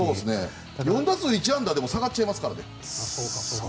４打数１安打でも打率は下がっちゃいますから。